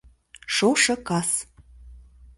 Шошо кас.